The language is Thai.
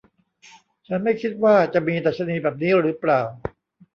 ฉันไม่คิดว่าจะมีดัชนีแบบนี้หรือเปล่า ?